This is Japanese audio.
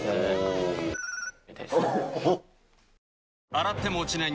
洗っても落ちない